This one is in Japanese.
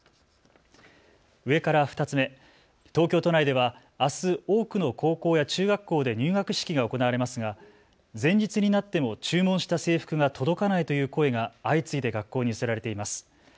上から２つ目、東京都内ではあす多くの高校や中学校で入学式が行われますが前日になっても注文した制服が届かないという声が、相次いで学校に寄せられています。